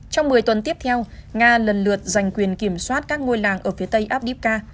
trong một mươi tuần tiếp theo nga lần lượt giành quyền kiểm soát các ngôi làng ở phía tây abdifka